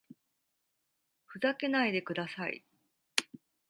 ふざけないでください